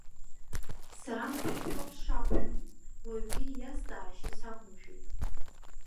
Сара машәыршәа ауп сшақәшәа, уаҩгьы иазҵаашьа сақәымшәеит.